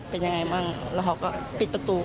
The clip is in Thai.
เป็นยังไงบ้างแล้วเขาก็ปิดประตู